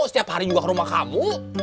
setiap hari juga ke rumah kamu